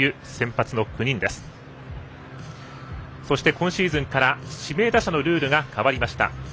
そして、今シーズンから指名打者のルールが変わりました。